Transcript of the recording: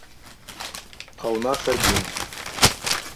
А ў нас адзін.